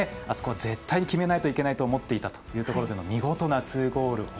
あそこは絶対に決めないといけないと思っていたというところで見事な２ゴール。